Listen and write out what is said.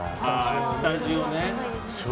スタジオね。